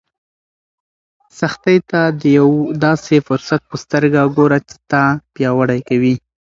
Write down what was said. سختۍ ته د یو داسې فرصت په سترګه ګوره چې تا پیاوړی کوي.